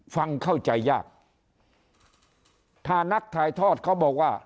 ฟังเข้าใจยากถ้านักถ่ายทอดเขาบอกว่า